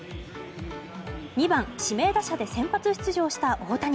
２番指名打者で先発出場した大谷。